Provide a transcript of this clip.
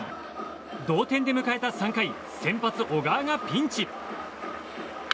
同点で迎えた３回先発、小川がピンチ。